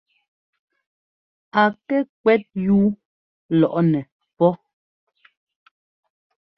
A kɛ kwɛ́t yúu lɔꞌnɛ pɔ́.